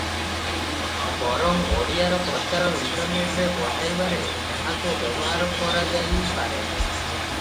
ବରଂ ଓଡ଼ିଆର ପ୍ରଚାର ଇଣ୍ଟରନେଟରେ ବଢ଼ାଇବାରେ ଏହାକୁ ବ୍ୟବହାର କରାଯାଇପାରେ ।